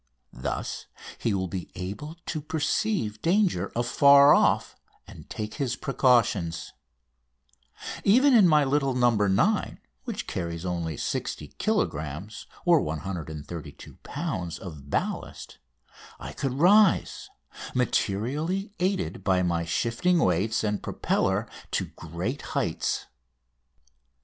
Thus he will be able to perceive danger afar off, and take his precautions. Even in my little "No. 9," which carries only 60 kilogrammes (132 lbs.) of ballast, I could rise, materially aided by my shifting weights and propeller, to great heights.